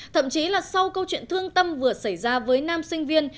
thậm chí là sau câu chuyện thương tâm vừa xảy ra với nam sinh viên